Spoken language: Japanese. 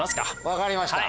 分かりました。